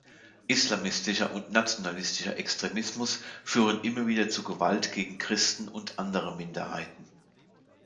Islamistischer und nationalistischer Extremismus führen immer wieder zu Gewalt gegen Christen und andere Minderheiten.